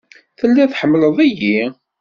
Telliḍ tḥemmleḍ-iyi?